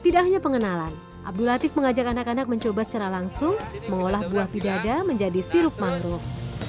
dengan anak anak ini pak